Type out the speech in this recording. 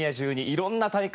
いろんな大会